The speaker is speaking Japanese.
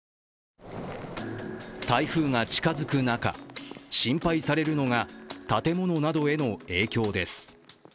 台風が近づく中、心配されるのが建物などへの影響です。